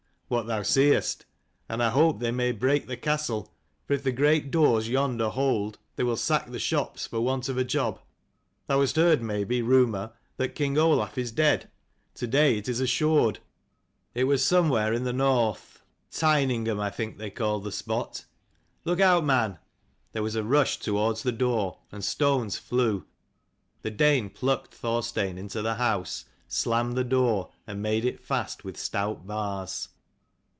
'' "What thou seest, and I hope they may break the castle. For if the great doors yonder hold, they will sack the shops for want of a job. Thou hast heard, maybe, rumour that king Olaf is dead. To day it is assured. 247 It was somewhere in the North, Tyningaham I think they called the spot. Look out, man !" There was a rush towards the door, and stones flew. The Dane plucked Thorstein into the house, slammed the door, and made it fast with stout bars.